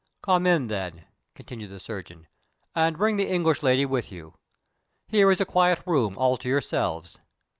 "Come in, then," continued the surgeon, "and bring the English lady with you. Here is a quiet room all to yourselves."